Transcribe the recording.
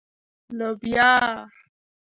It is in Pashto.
🫘 لبیا